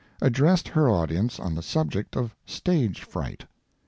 addressed her audience on the subject of stage fright.